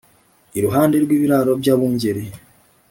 iruhande rw’ibiraro by’abungeri.